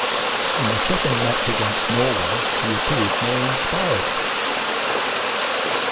In the second match against Norway, he appeared more inspired.